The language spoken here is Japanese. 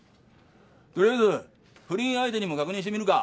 取りあえず不倫相手にも確認してみるか？